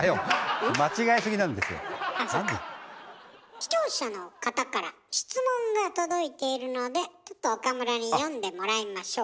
視聴者の方から質問が届いているのでちょっと岡村に読んでもらいましょう。